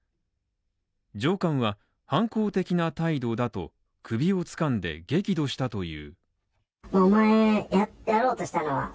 上官は反抗的な態度だと首をつかんで激怒したという。